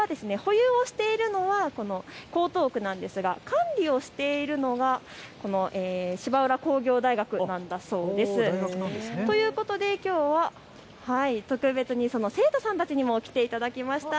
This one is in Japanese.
この船着き場、保有をしているのは江東区なんですが管理をしているのがこの芝浦工業大学なんだそうです。ということで、きょうは特別にその生徒さんたちにも来ていただきました。